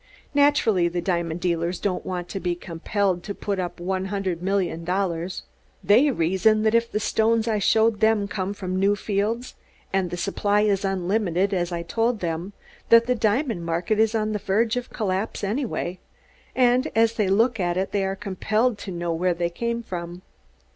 Naturally the diamond dealers don't want to be compelled to put up one hundred million dollars. They reason that if the stones I showed them came from new fields, and the supply is unlimited, as I told them, that the diamond market is on the verge of collapse, anyway; and as they look at it they are compelled to know where they came from.